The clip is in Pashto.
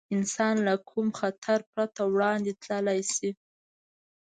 انسان له کوم خطر پرته وړاندې تللی شي.